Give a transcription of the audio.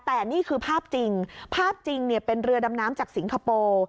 แต่นี่คือภาพจริงภาพจริงเป็นเรือดำน้ำจากสิงคโปร์